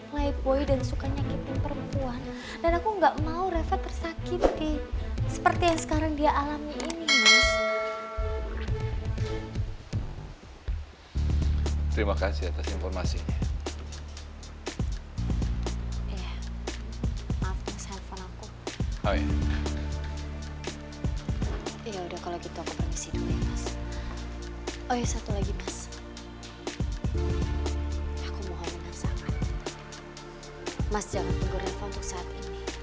mas jangan tunggu refah untuk saat ini